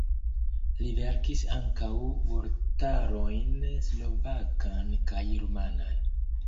Li verkis ankaŭ vortarojn: slovakan kaj rumanan.